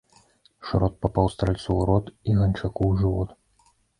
Шрот папаў стральцу ў рот і ганчаку ў жывот.